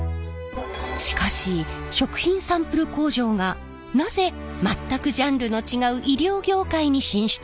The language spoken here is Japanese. しかし食品サンプル工場がなぜ全くジャンルの違う医療業界に進出したのでしょうか？